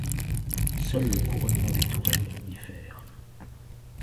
Seul le couronnement des tourelles diffère.